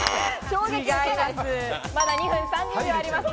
まだ２分３０秒あります。